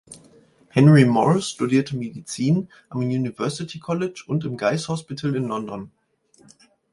Henry Morris studierte Medizin am University College und im Guy’s Hospital in London.